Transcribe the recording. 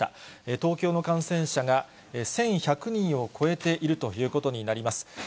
東京の感染者が１１００人を超えているということになります。